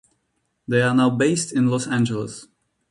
They are now based in Los Angeles.